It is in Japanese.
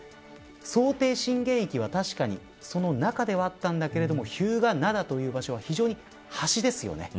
想定震源域は確かにその中ではあったんだけれども日向灘という場所は非常に端です。